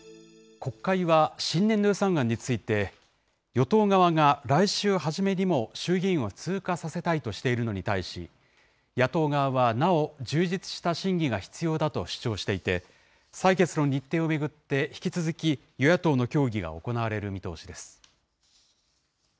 国会は新年度予算案について、与党側が来週初めにも衆議院を通過させたいとしているのに対し、野党側はなお充実した審議が必要だと主張していて、採決の日程を巡って引き続き与野党の協議が行われる見通しです。